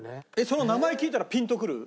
その名前聞いたらピンとくる？